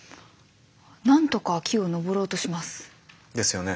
なんとか木を登ろうとします。ですよね。